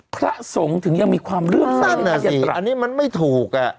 พระทรงถึงยังมีความเรื่องใจไหล่สั้นน่ะสิอันนี้มันไม่ถูก